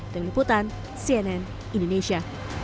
dari putan cnn indonesia